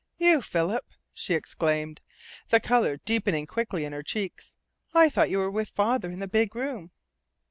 "You, Philip!" she exclaimed, the colour deepening quickly in her cheeks. "I thought you were with father in the big room."